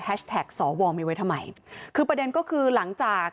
แฮชแท็กสอวองไม่ไว้ทำไมคือประเด็นก็คือหลังจาก